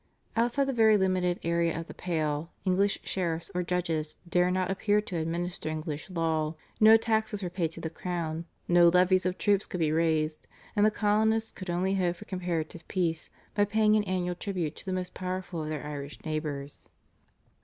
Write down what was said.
Outside the very limited area of the Pale English sheriffs or judges dare not appear to administer English law; no taxes were paid to the crown; no levies of troops could be raised, and the colonists could only hope for comparative peace by paying an annual tribute to the most powerful of their Irish neighbours.